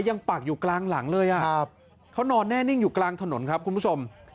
ปักอยู่กลางหลังเลยอ่ะครับเขานอนแน่นิ่งอยู่กลางถนนครับคุณผู้ชม